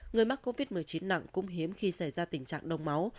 người mắc covid một mươi chín nặng cũng hiếm khi xảy ra tình trạng đông máu